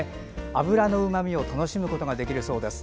脂のうまみを楽しむことができるそうです。